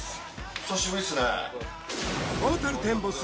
久しぶりっすね